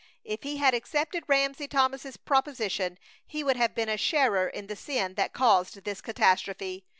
If he had accepted Ramsey Thomas's proposition he would have been a sharer in the sin that caused this catastrophe.